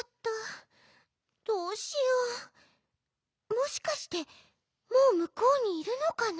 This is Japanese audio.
もしかしてもうむこうにいるのかな？